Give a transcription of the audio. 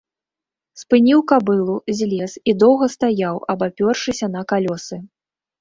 Спыніў кабылу, злез і доўга стаяў, абапёршыся на калёсы.